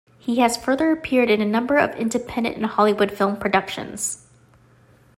He has further appeared in a number of independent and Hollywood film productions.